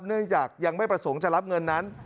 เนื่องจากยังไม่ประสงค์จะรับเงินนั้น